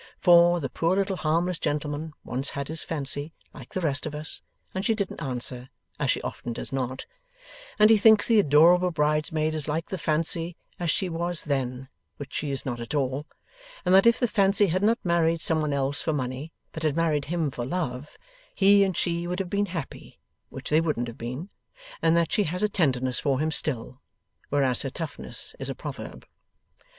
For, the poor little harmless gentleman once had his fancy, like the rest of us, and she didn't answer (as she often does not), and he thinks the adorable bridesmaid is like the fancy as she was then (which she is not at all), and that if the fancy had not married some one else for money, but had married him for love, he and she would have been happy (which they wouldn't have been), and that she has a tenderness for him still (whereas her toughness is a proverb).